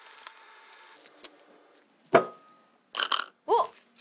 おっ！